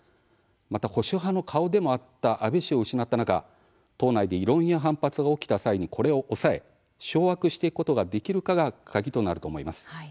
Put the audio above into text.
また保守派の顔でもあった安倍氏を失った中党内で異論や反発が起きた際にこれを抑え、掌握していくことができるかが鍵となると思います。